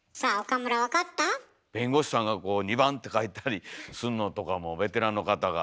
弁護士さんが「２番」って書いたりすんのとかもベテランの方が。